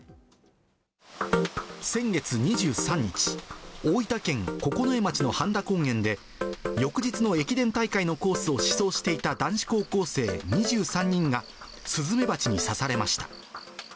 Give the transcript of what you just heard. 先月２３日、大分県九重町の飯田高原で翌日の駅伝大会のコースを試走していた男子高校生２３人が、スズメバチに刺されました。